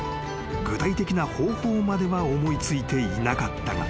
［具体的な方法までは思い付いていなかったが］